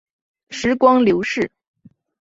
时光流逝